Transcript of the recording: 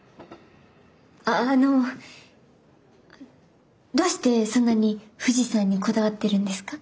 あっあのどうしてそんなに富士山にこだわってるんですか？